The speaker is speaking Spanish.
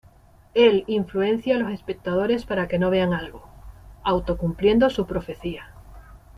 Él influencia a los espectadores para que no vean algo, auto cumpliendo su profecía.